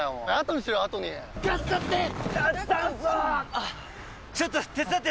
あっちょっと手伝って！